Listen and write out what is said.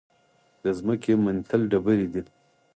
د ځمکې منتل ډبرې دي.